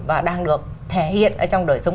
và đang được thể hiện ở trong đời sống